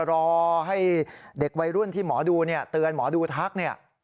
รอให้เด็กวัยรุ่นที่หมอดูเตือนหมอดูทักเนี่ย